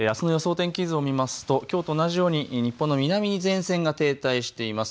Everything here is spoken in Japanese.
天気図を見ますときょうと同じように日本の南に前線が停滞しています。